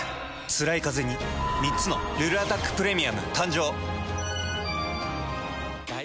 つらいカゼに３つの「ルルアタックプレミアム」誕生。